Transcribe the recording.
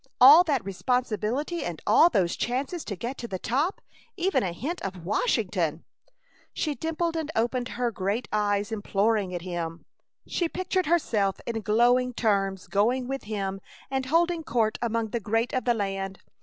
All that responsibility and all those chances to get to the top! Even a hint of Washington!" She dimpled and opened her great eyes imploringly at him. She pictured herself in glowing terms going with him and holding court among the great of the land!